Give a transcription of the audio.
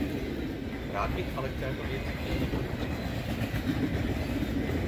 Rád bych ale k této věci měl několik připomínek.